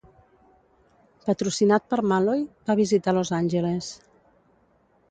Patrocinat per Malloy, va visitar Los Angeles.